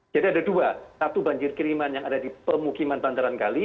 jadi ada dua satu banjir kiriman yang ada di pemukiman bandaran kali